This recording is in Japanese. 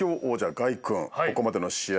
ここまでの試合